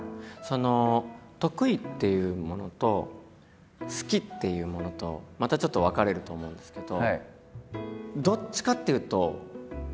得意っていうものと好きっていうものとまたちょっと分かれると思うんですけど。